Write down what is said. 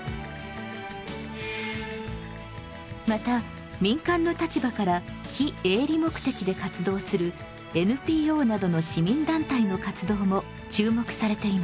また民間の立場から非営利目的で活動するＮＰＯなどの市民団体の活動も注目されています。